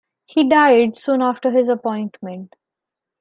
He died soon after his appointment.